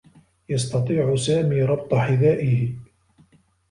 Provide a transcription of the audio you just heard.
يستطيع سامي ربط حذائه.